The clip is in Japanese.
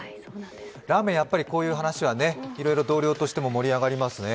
ラーメン、やっぱりこういう話はいろいろ同僚としても盛り上がりますね。